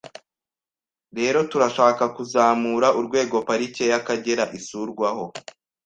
rero turashaka kuzamura urwego parike y’Akagera isurwaho,